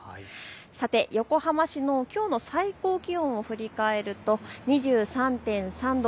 さて横浜市のきょうの最高気温を振り返ると２３．３度。